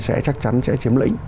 sẽ chắc chắn chiếm lĩnh